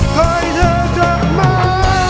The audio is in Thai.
ก่อนเธอกลับมา